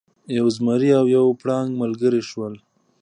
یو زمری او یو پړانګ ملګري شول.